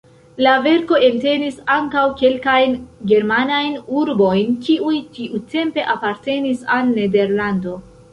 La verko entenis ankaŭ kelkajn germanajn urbojn, kiuj tiutempe apartenis al Nederlando.